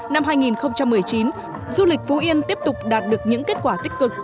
năm hai nghìn một mươi chín du lịch phú yên tiếp tục đạt được những kết quả tích cực